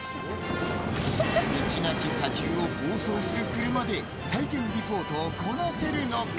道なき砂丘を暴走する車で体験リポートをこなせるのか。